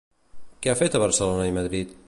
Què ha fet a Barcelona i Madrid?